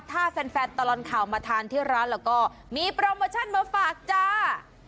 ถ้าแฟนตลอดข่าวมาทานที่ร้านแล้วก็มีโปรโมชั่นมาฝากจ้า